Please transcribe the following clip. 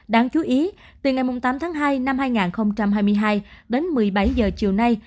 đáng chú ý từ ngày tám tháng hai năm hai nghìn hai mươi hai đến một mươi bảy giờ chiều nay